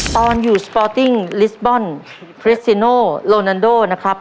ตอนอยู่สปอร์ติ้งลิสบอลคริสซิโนโลนันโดนะครับ